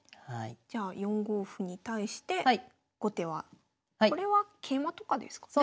じゃあ４五歩に対して後手はこれは桂馬とかですかね。